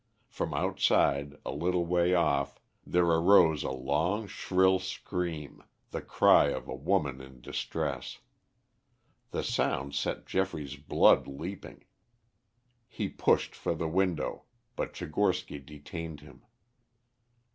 From outside a little way off there arose a long, shrill scream, the cry of a woman in distress. The sound set Geoffrey's blood leaping; he pushed for the window, but Tchigorsky detained him.